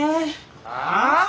ああ？